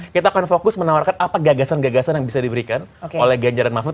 kita akan fokus menawarkan apa gagasan gagasan yang bisa diberikan oleh ganjaran mahfud